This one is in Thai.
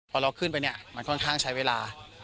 พอเราขึ้นไปเนี่ยมันค่อนข้างใช้เวลา